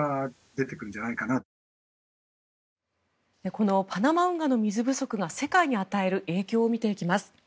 このパナマ運河の水不足が世界に与える影響を見ていきます。